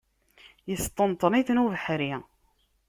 Yesṭenṭen-iten ubeḥri.